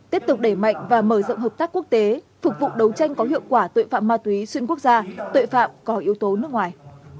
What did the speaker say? tiếp tục đẩy mạnh và mở rộng hợp tác quốc tế phục vụ đấu tranh có hiệu quả tội phạm ma túy xuyên quốc gia tội phạm có yếu tố nước ngoài